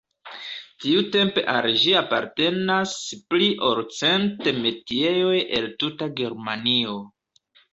Tiutempe al ĝi apartenas pli ol cent metiejoj el tuta Germanio.